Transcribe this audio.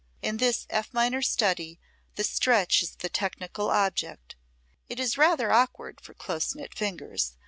In this F minor study the stretch is the technical object. It is rather awkward for close knit fingers.